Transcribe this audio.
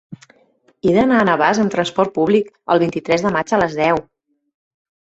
He d'anar a Navàs amb trasport públic el vint-i-tres de maig a les deu.